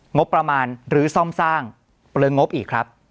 งบประมาณหรือซ่อมสร้างเปลืองงบอีกครับ